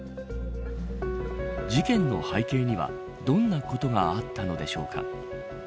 事件の背景にはどんなことがあったのでしょうか。